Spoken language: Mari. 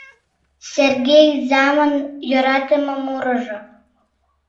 Серге изамын йӧратыме мурыжо...